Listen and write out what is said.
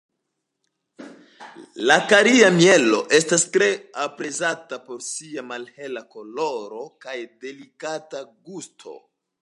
La kari-mielo estas tre aprezata por sia malhela koloro kaj delikata gusto.